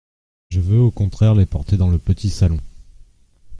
Je veux, au contraire, les porter dans le petit salon…